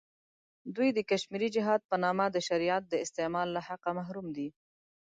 دوی د کشمیري جهاد په نامه د شریعت د استعمال له حقه محروم دی.